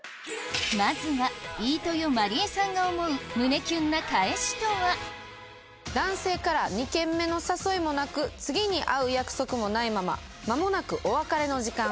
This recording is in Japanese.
まずは飯豊まりえさんが思う男性から２軒目の誘いもなく次に会う約束もないまま間もなくお別れの時間。